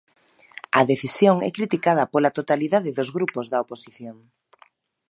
A decisión é criticada pola totalidade dos grupos da oposición.